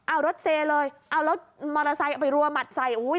อ้าวรถเซเลยเอารถมอเตอร์ไซค์ออกไปรัวหมัดใส่